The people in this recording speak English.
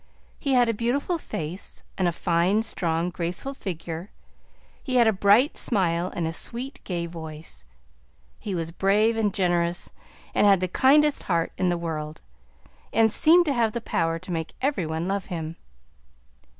He had a beautiful face and a fine, strong, graceful figure; he had a bright smile and a sweet, gay voice; he was brave and generous, and had the kindest heart in the world, and seemed to have the power to make every one love him.